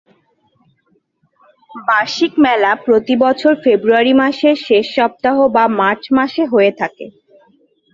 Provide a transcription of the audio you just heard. এই বার্ষিক মেলা প্রতি বছর ফেব্রুয়ারি মাসের শেষ সপ্তাহ বা মার্চ মাসে হয়ে থাকে।